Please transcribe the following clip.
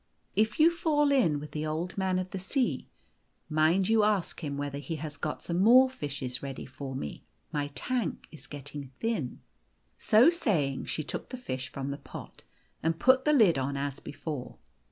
If you fall in with the Old Man of the Sea, niind you ask him whether he has not got some more fishes ready for me. My tank is getting thin." So saying, she took the fish from the pot, and put the lid on as before.